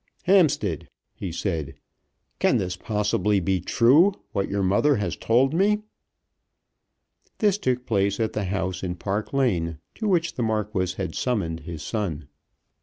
"Hampstead," he said, "can this possibly be true what your mother has told me?" This took place at the house in Park Lane, to which the Marquis had summoned his son.